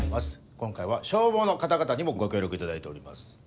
今回は消防の方々にもご協力いただいております。